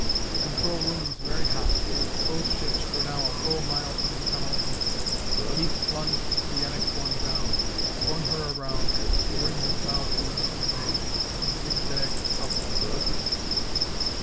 The control room was very hot. Both ships were now a full mile from the tunnel entrance. Keith plunged the NX 1 down, swung her around, to bring his bow tubes to bear, and zigzagged upwards.